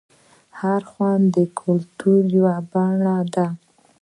هر خوند د کلتور یوه بڼه ده.